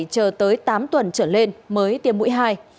chờ tới tám tuần trở lên mới tiêm mũi hai